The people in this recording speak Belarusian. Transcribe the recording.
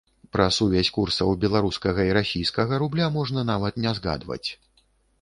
Пра сувязь курсаў беларускага і расійскага рубля можна нават не згадваць.